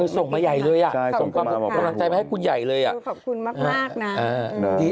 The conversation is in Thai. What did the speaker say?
เออส่งมาใหญ่เลยอ่ะใช่ส่งมาบอกว่าห่วง